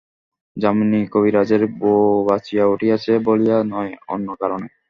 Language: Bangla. যামিনী কবিরাজের বৌ বাঁচিয়া উঠিয়াছে বলিয়া নয়, অন্য কারণে।